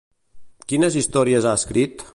Quines històries ha escrit?